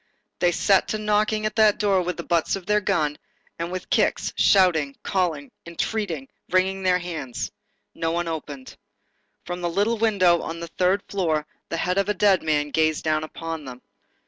They set to knocking at that door with the butts of their guns, and with kicks, shouting, calling, entreating, wringing their hands. No one opened. From the little window on the third floor, the head of the dead man gazed down upon them.